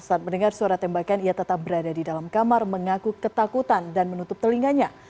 saat mendengar suara tembakan ia tetap berada di dalam kamar mengaku ketakutan dan menutup telinganya